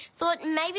何？